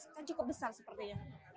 kan cukup besar sepertinya